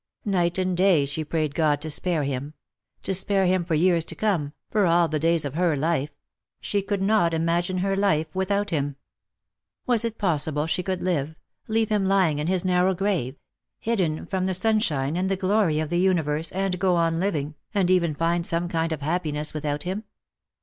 Night and day she prayed God to spare him — to spare him for years to come, for all the days of her life ; she could not imagine her life without him. Was it possible she could live, leave him lying in his narrow grave, hidden from the sunshine and the glory of the universe, and go on living, and even find some kind of happiness without him